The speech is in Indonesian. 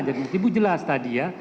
jadi ibu jelas tadi ya